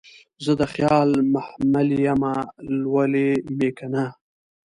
زه دخیال محمل یمه لولی مې کنه